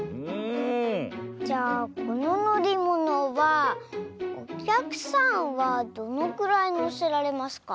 じゃあこののりものはおきゃくさんはどのくらいのせられますか？